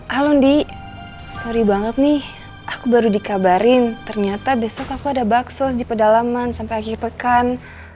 alundi sorry banget nih aku baru dikabarin ternyata besok aku ada baksos di pedalaman sampai akhir pekan